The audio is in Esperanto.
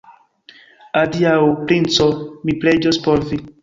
Adiaŭ, princo, mi preĝos por vi!